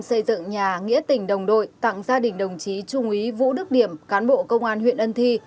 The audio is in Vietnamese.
xây dựng nhà nghĩa tình đồng đội tặng gia đình đồng chí trung úy vũ đức điểm cán bộ công an huyện ân thi